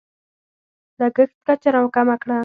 لګښت کچه راکمه کړه.